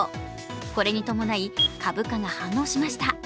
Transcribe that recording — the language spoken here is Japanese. これに伴い、株価が反応しました。